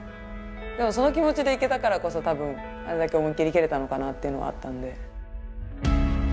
その気持ちでいけたからこそ多分あれだけ思いっきり蹴れたのかなっていうのはあったんで。